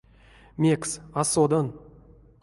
Мекс — а содан.